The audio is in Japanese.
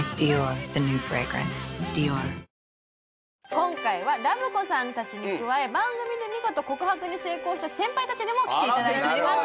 今回はラブ子さん達に加え番組で見事告白に成功した先輩達にも来ていただいております